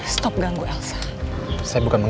susah banget sih dibilangin sih elsa